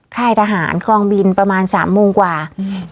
ค่ายทหารกองบินประมาณสามโมงกว่าอืม